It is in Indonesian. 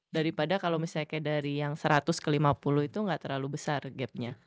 daripada kalau misalnya kayak dari yang seratus ke lima puluh itu gak terlalu besar gapnya